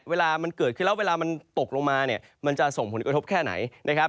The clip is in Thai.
เวลามันเกิดขึ้นแล้วเวลามันตกลงมาเนี่ยมันจะส่งผลกระทบแค่ไหนนะครับ